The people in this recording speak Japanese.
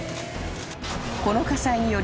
［この火災により］